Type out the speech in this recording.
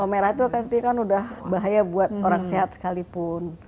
kalau merah itu akan berarti kan udah bahaya buat orang sehat sekalipun